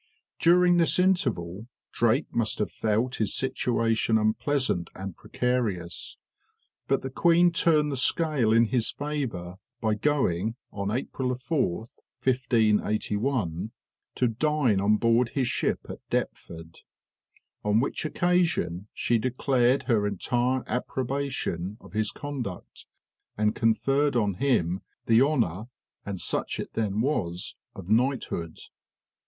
During this interval, Drake must have felt his situation unpleasant and precarious; but the queen turned the scale in his favor by going, April 4, 1581, to dine on board his ship at Deptford, on which occasion she declared her entire approbation of his conduct, and conferred on him the honor, and such it then was, of knighthood.